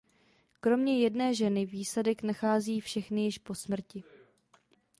Kromě jedné ženy výsadek nachází všechny již po smrti.